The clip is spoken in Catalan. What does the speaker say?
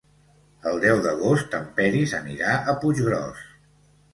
El deu d'agost en Peris anirà a Puiggròs.